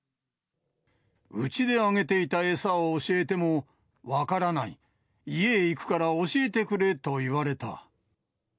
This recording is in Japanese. うちであげていた餌を教えても、分からない、家へ行くから教えてくれと言われた。